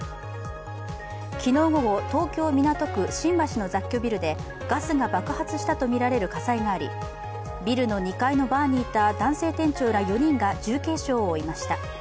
昨日午後、東京・港区新橋の雑居ビルでガスが爆発したとみられる火災がありビルの２階のバーにいた男性店長ら４人が重軽傷を負いました。